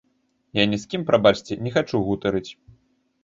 Я ні з кім, прабачце, не хачу гутарыць.